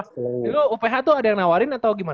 dulu uph tuh ada yang nawarin atau gimana